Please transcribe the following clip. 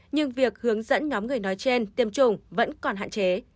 nhưng việc hướng dẫn nhóm người nói trên tiêm chủng vẫn còn hạn chế